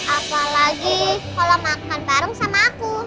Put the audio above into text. apalagi kalau makan karung sama aku